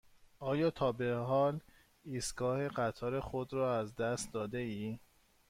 آیا تا به حال ایستگاه قطار خود را از دست داده ای؟